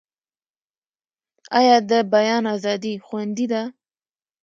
آیا د بیان ازادي خوندي ده؟